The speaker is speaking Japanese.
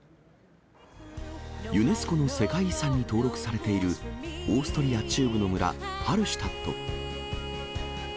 ユネスコの世界遺産に登録されている、オーストリア中部の村、ハルシュタット。